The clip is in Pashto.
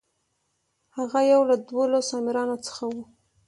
هغه یو له دولسو امیرانو څخه و.